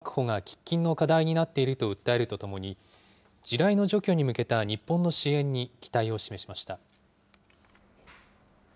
その上で、厳しい冬が迫る中、発電機などの確保が喫緊の課題になっていると訴えるとともに、地雷の除去に向けた日本の支援に期待を示しました。